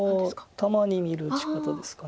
たまに見る打ち方ですかね。